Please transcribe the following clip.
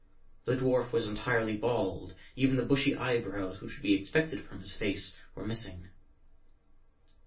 The dwarf was entirely bald; even the bushy eyebrows which would be expected from his face, were missing.